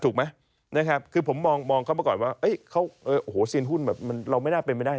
ถูกไหมคือผมมองเขามาก่อนว่าเซียนหุ้นเราไม่น่าเป็นไม่ได้